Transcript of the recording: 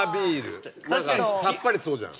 何かさっぱりしそうじゃん。